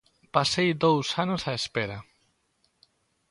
Pasei dous anos á espera.